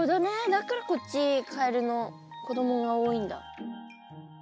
だからこっちカエルの子供が多いんだ。